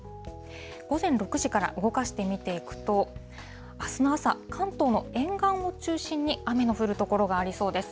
午前６時から動かして見ていくと、あすの朝、関東の沿岸を中心に雨の降る所がありそうです。